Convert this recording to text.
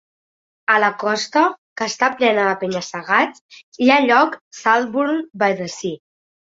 A la costa, que està plena de penya-segats, hi ha el lloc Saltburn-by-the-Sea.